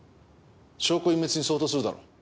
証拠隠滅に相当するだろう。